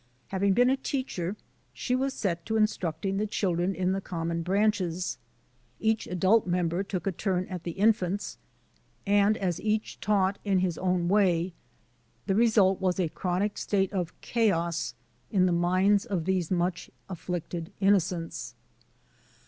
Having been a teacher, she was set to instruct ing the children in the common branches. Each adult member took a turn at the infants; and, as each taught in his own way, the result was a chronic state of chaos in the minds of these mudi afflicted innocents.